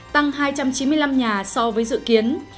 tăng hai trăm chín mươi năm nhà so với dự kiến